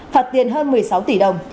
phạt tiền hơn một mươi sáu đồng